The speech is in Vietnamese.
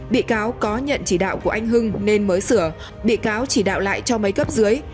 bị cáo có nhận chỉ đạo của anh hưng nên mới sửa bị cáo chỉ đạo lại cho mấy cấp dưới